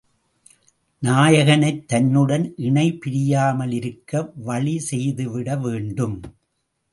நாயகனைத் தன்னுடன் இனை பிரியாமலிருக்க வழி செய்துவிட வேண்டும்!